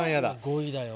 ５位だよ？